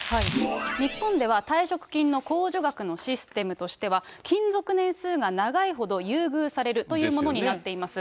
日本では退職金の控除額のシステムとしては、勤続年数が長いほど優遇されるというものになっています。